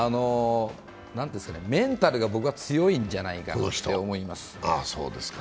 メンタルが僕は強いんじゃないかなと思います。